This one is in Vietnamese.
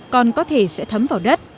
còn có thể sẽ thấm vào đất